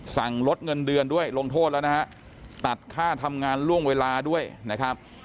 สั่งลดเงินเดือนด้วยลงโทษแล้วนะฮะตัดค่าทำงานล่วงเวลาด้วยนะครับ